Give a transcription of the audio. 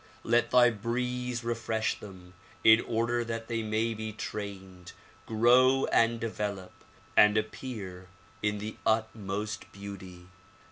Let thy breeze refresh them in order that they may be trained, grow and develop and appear in the utmost beauty.